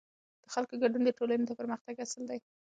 د خلکو ګډون د ټولنې د پرمختګ اصل دی